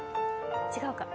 違うかな。